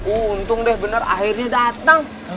untung deh bener akhirnya datang